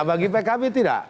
nah bagi pkp tidak